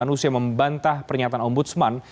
manusia membantah pernyataan om budsman